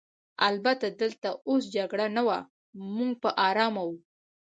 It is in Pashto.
البته دلته اوس جګړه نه وه، موږ په آرامه وو.